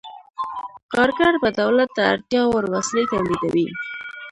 کارګر به دولت ته اړتیا وړ وسلې تولیدوي.